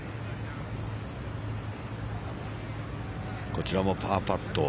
こちらもパーパット。